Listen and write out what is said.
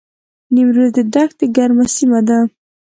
نیمروز د دښتې ګرمه سیمه ده